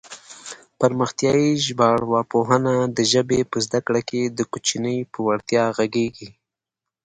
پرمختیایي ژبارواپوهنه د ژبې په زده کړه کې د کوچني پر وړتیا غږېږي